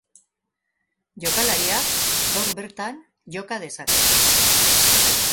Jokalariak gaur bertan joka dezake.